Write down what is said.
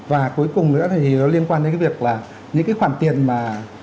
và cuối cùng nữa thì nó liên quan đến cái việc là những cái khoản tiền mà